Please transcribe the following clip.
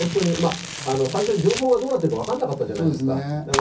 最初、情報がどうなってるかわからなかったじゃないですか。